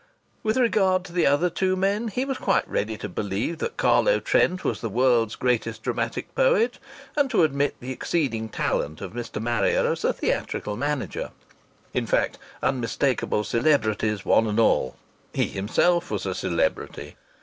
With regard to the other two men, he was quite ready to believe that Carlo Trent was the world's greatest dramatic poet, and to admit the exceeding talent of Mr. Marrier as a theatrical manager.... In fact, unmistakable celebrities, one and all! He himself was a celebrity.